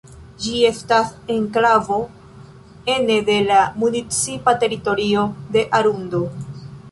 Ĝi estas enklavo ene de la municipa teritorio de Arundo.